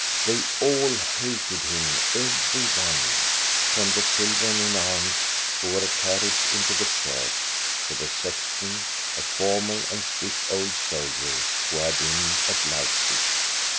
They all hated him, every one, — from the children in arms, who were carried into the church, to the sexton, a formal and stiff old soldier, who had been at Leipsic.